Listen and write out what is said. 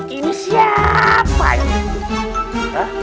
ini siapa ini